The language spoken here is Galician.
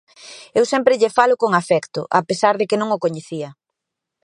Eu sempre lle falo con afecto a pesar de que non o coñecía.